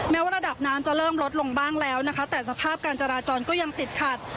ว่าระดับน้ำจะเริ่มลดลงบ้างแล้วนะคะแต่สภาพการจราจรก็ยังติดขัด